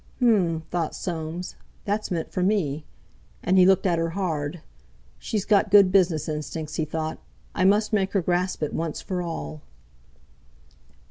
"H'm!" thought Soames, "that's meant for me!" and he looked at her hard. "She's got good business instincts," he thought. "I must make her grasp it once for all!"